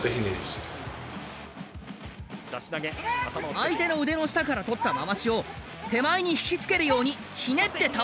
相手の腕の下から取ったまわしを手前に引きつけるようにひねって倒す技。